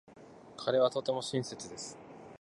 彼はとても親切です。